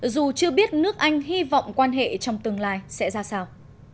dù chưa biết nước anh hy vọng quan hệ trong tương lai sẽ ra sao